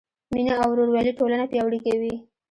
مینه او ورورولي ټولنه پیاوړې کوي.